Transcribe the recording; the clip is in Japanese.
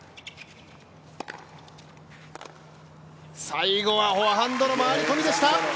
最後はフォアハンドの回り込みでした。